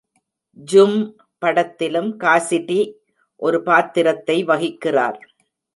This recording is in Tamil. "ஜூம்" படத்திலும் காசிடி ஒரு பாத்திரத்தை வகிக்கிறார்.